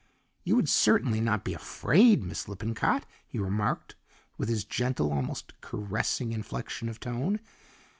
"You would certainly not be afraid, Miss Lippincott?" he remarked, with his gentle, almost caressing inflection of tone.